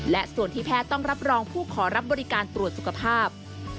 และส่วนที่แพทย์ต้องรับรองผู้ขอรับบริการตรวจสุขภาพ